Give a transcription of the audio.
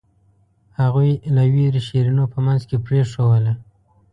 هغوی له وېرې شیرینو په منځ کې پرېښووله.